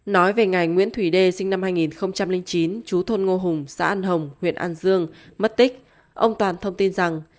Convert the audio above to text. nói về ngày nguyễn thủy đê sinh năm hai nghìn chín chú thôn ngô hùng xã an hồng huyện an dương mất tích ông toàn thông tin rằng